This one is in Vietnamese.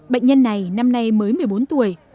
bệnh nhân này năm nay mới một mươi bốn tuổi